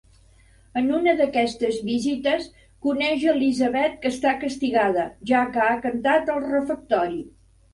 En una d'aquestes visites, coneix Elizabeth que està castigada, ja que ha cantat al refectori.